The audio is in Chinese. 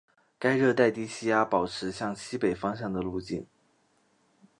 该热带低气压保持向西北方向的路径。